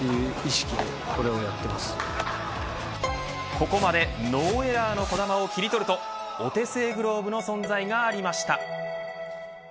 ここまでノーエラーの児玉を切り取るとお手製グローブの存在がありました。